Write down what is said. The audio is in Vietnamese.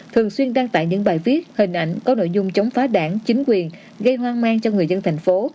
thường xuyên đăng tải những bài viết hình ảnh có nội dung chống phá đảng chính quyền gây hoang mang cho người dân thành phố